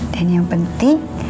dan yang penting